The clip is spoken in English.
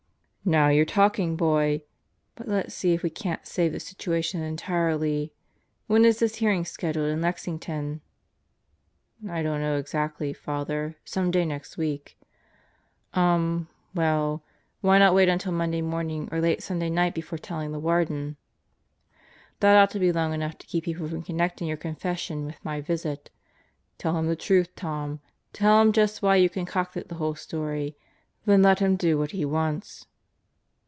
"Now you're talking, boy. But let's see if we can't save the situation entirely. When is this hearing scheduled in Lexington?" "I don't know exactly, Father. Some day next week." "Umm. Well ... why not wait until Monday morning or late Sunday night before telling the Warden? That ought to be long enough to keep people from connecting your confession with my visit. Tell him the truth, Tom. Tell him just why you con cocted the whole story. Then let him do what he wants."